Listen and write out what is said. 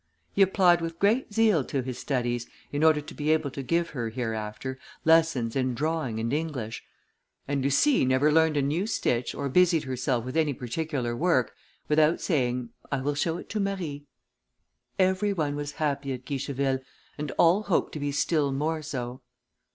He applied with great zeal to his studies, in order to be able to give her, hereafter, lessons in drawing and English; and Lucie never learned a new stitch, or busied herself with any particular work, without saying, "I will show it to Marie." Every one was happy at Guicheville, and all hoped to be still more so.